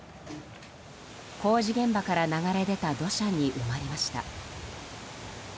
工事現場から流れ出た土砂に埋まりました。